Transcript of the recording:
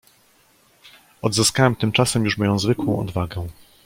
"Odzyskałem tymczasem już moją zwykłą odwagę."